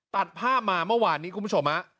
ตัดภาพมาเมื่อวานนี้คุณผู้ชม